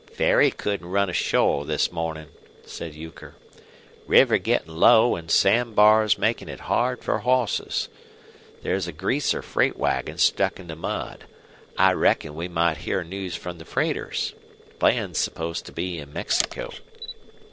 "Ferry couldn't run ashore this mornin'," said Euchre. "River gettin' low an' sand bars makin' it hard fer hosses. There's a greaser freight wagon stuck in the mud. I reckon we might hear news from the freighters. Bland's supposed to be in Mexico."